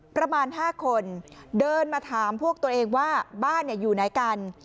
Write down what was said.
ประมาณ๕คนเดินมาถามพวกตัวเองว่าบ้านอยู่ไหนกัน